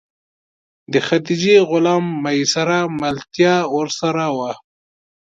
د خدیجې غلام میسره ملتیا ورسره وه.